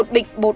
một bịch bột